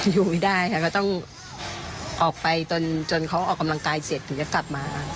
อยู่ไม่ได้ค่ะก็ต้องออกไปจนเขาออกกำลังกายเสร็จถึงจะกลับมา